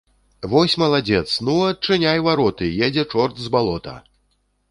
Вось маладзец, ну, адчыняй вароты, едзе чорт з балота.